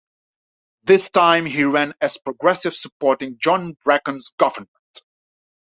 This time, he ran as Progressive supporting John Bracken's government.